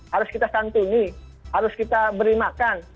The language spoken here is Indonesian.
harus kita santuni harus kita beri makan